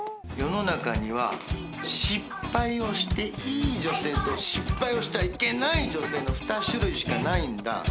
世の中には失敗をしていい女性と失敗をしてはいけない女性の２種類しかないんだ。